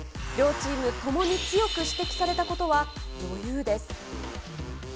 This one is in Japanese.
両チームともに強く指摘されたことは、余裕です。